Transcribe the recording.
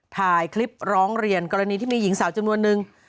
ถ่ายคลิปร้องเรียนกรณีที่มีหญิงสาวจำนวนนึง